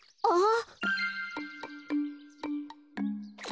あ。